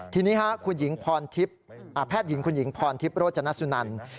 ทีนี้คุณหญิงพรทิพย์แพทย์หญิงคุณหญิงพรทิพย์โรจนสุนัน